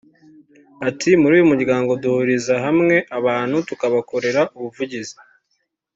Ati “Muri uyu muryango duhuriza hamwe abantu tukabakorera ubuvugizi